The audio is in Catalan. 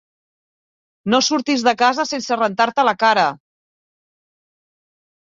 No surtis de casa sense rentar-te la cara.